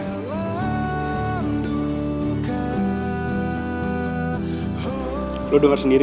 gak peduli lagi sama gue